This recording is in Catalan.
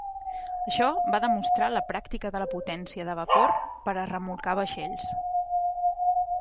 Això va demostrar la pràctica de la potència de vapor per a remolcar vaixells.